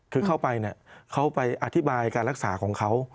คือเข้าไปเนี่ยเขาไปอธิบายการรักษาของเขา